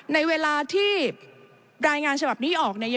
ในเวลาที่รายงานฉบับนี้ออกเนี่ย